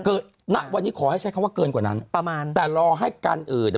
คือณวันนี้ขอให้ใช้คำว่าเกินกว่านั้นประมาณแต่รอให้กันเอ่อเนี้ย